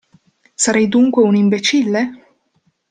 Sarei dunque un imbecille?